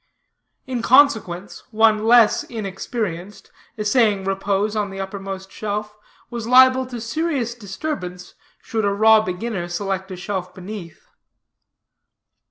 In consequence, one less inexperienced, essaying repose on the uppermost shelf, was liable to serious disturbance, should a raw beginner select a shelf beneath.